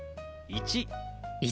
１。